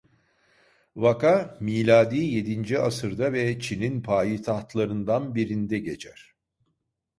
Vaka Miladi yedinci asırda ve Çin'in payitahtlarından birinde geçer.